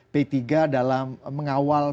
p tiga dalam mengawal